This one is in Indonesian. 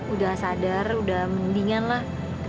udah sadar udah mendingan lah